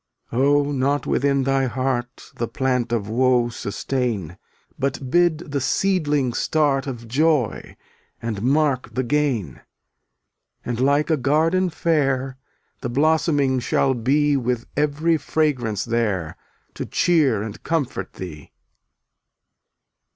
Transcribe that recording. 295 Oh, not within thy heart The plant of woe sustain, But bid the seedling start Of joy, and mark the gain; And like a garden fair The blossoming shall be With every fragrance there To cheer and comfort thee.